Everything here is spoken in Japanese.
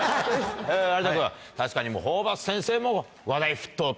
有田君確かにホーバス先生も話題沸騰と。